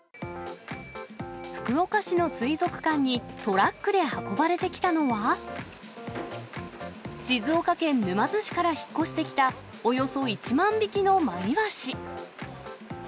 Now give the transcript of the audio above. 福岡市の水族館にトラックで運ばれてきたのは、静岡県沼津市から引っ越してきたおよそ１万匹のマイワシ。